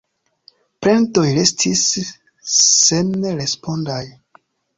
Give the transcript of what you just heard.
Plendoj restis senrespondaj.